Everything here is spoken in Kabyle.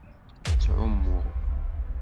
Ttɛummuɣ.